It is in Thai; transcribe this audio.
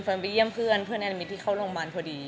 ฟึงมันไปเยี่ยมเพื่อนอะไรวิทย์ที่เขาโรงพยาบาลพอดี